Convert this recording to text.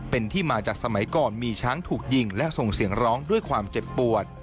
เป็นที่มาจากสมัยก่อนมีช้างถูกยิงและส่งเสียงร้องด้วยความเจ็บปวด